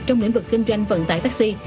trong lĩnh vực kinh doanh vận tải taxi